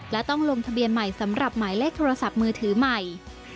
และต้องลงทะเบียนใหม่สำหรับหมายเลขโทรศัพท์มือถือใหม่